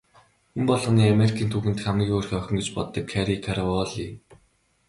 Хүн болгоны Америкийн түүхэн дэх хамгийн хөөрхөн охин гэж боддог Мари Караволли.